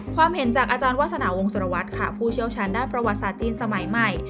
ความเห็นจากอาจารย์วาสนาวงศรวัตรค่ะผู้เชี่ยวชาญด้านประวัติศาสตร์จีนสมัยใหม่